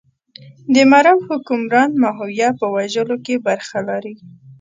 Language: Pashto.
د مرو حکمران ماهویه په وژلو کې برخه لري.